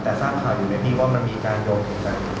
แต่สร้างข่าวอยู่ในนี้ว่ามันมีการโยงของกัน